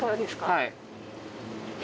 はい。